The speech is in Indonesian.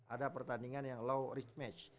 ada pertandingan yang law reach match